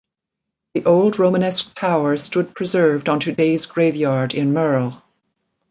The old Romanesque tower stood preserved on today's graveyard in Merl.